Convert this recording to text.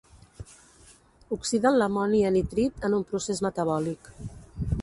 Oxiden l'amoni a nitrit en un procés metabòlic.